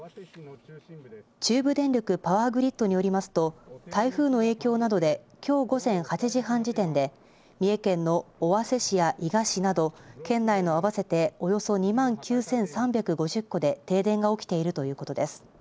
中部電力パワーグリッドによりますと、台風の影響などで、きょう午前８時半時点で、三重県の尾鷲市や伊賀市など、県内の合わせておよそ２万９３５０戸で停電が起きているということです。